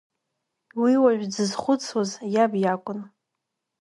Уи уажә дзызхәыцуаз иаб иакәын.